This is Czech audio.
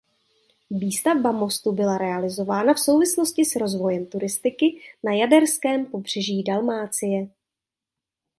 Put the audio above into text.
Výstavba mostu byla realizována v souvislosti s rozvojem turistiky na jaderském pobřeží Dalmácie.